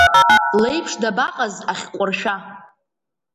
Леиԥш дабаҟаз ахьҟәыршәа!